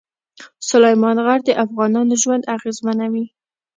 سلیمان غر د افغانانو ژوند اغېزمنوي.